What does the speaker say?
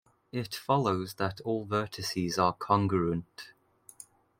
It follows that all vertices are congruent.